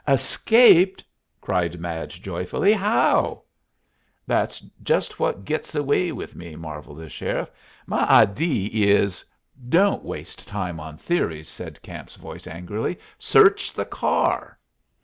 "Escaped!" cried Madge, joyfully. "How?" "That's just what gits away with me," marvelled the sheriff. "My idee is " "Don't waste time on theories," said Camp's voice, angrily. "Search the car."